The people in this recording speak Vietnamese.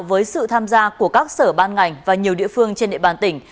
với sự tham gia của các sở ban ngành và nhiều địa phương trên địa bàn tỉnh